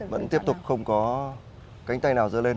vẫn tiếp tục không có cánh tay nào dơ lên